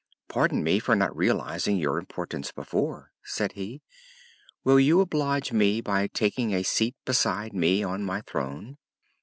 "Pardon me for not realizing your importance before," said he. "Will you oblige me by taking a seat beside me on my throne?"